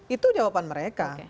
itu jawaban mereka